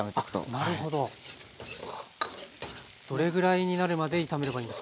どれぐらいになるまで炒めればいいんですか？